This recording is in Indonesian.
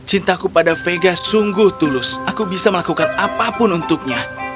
cintaku pada vega sungguh tulus aku bisa melakukan apapun untuknya